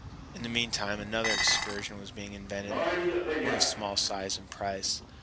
In the mean time another excursion was being invented, one of small size and price.